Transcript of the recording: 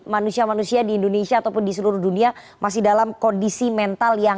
manusia manusia di indonesia ataupun di seluruh dunia masih dalam kondisi yang tidak terjadi